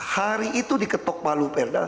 hari itu diketok palu perda